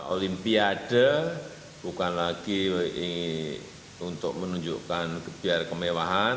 olimpiade bukan lagi untuk menunjukkan kebiar kemewahan